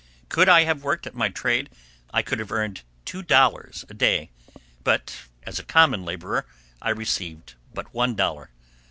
Could I have worked at my trade I could have earned two dollars a day, but as a common laborer I received but one dollar.